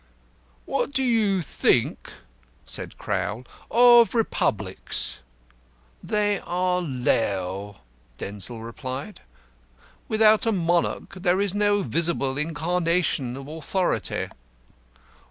"What do you think," said Crowl, "of Republics?" "They are low," Denzil replied. "Without a Monarch there is no visible incarnation of Authority."